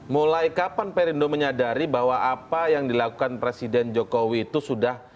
mulai kapan perindo menyadari bahwa apa yang dilakukan presiden jokowi itu sudah